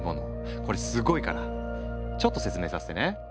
これすごいからちょっと説明させてね。